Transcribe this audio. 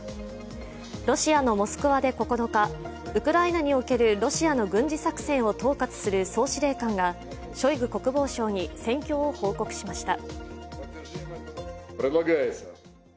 ロシアのモスクワで９日、ウクライナにおけるロシアの軍事作戦を統括する総司令官がショイグ国防相に戦況を報告しました。